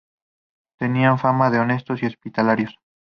Tenían fama de honestos y hospitalarios.